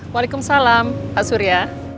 waalaikumsalam pak surya